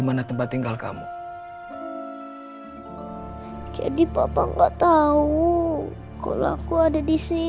mana tempat tinggal kamu jadi papa nggak tahu kalau aku ada di sini